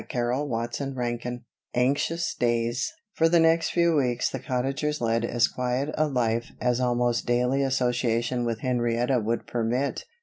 CHAPTER XXIX Anxious Days FOR the next few weeks the Cottagers led as quiet a life as almost daily association with Henrietta would permit.